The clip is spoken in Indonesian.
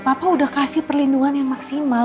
papa udah kasih perlindungan yang maksimal